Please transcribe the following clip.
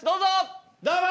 どうも！